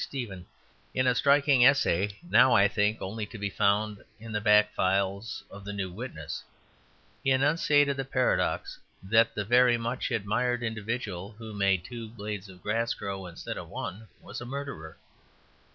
Stephen, in a striking essay now, I think, only to be found in the back files of The New Witness. He enunciated the paradox that the very much admired individual, who made two blades of grass grow instead of one, was a murderer.